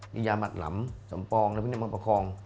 มียามัดหลำสำปองแล้วพวกนี้มันประคอง